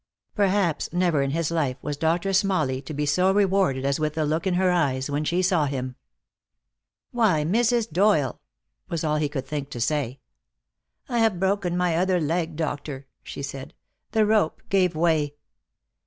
Perhaps never in his life was Doctor Smalley to be so rewarded as with the look in her eyes when she saw him. "Why, Mrs. Doyle!" was all he could think to say. "I have broken my other leg, doctor," she said, "the rope gave way."